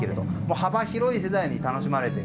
幅広い世代に楽しまれている。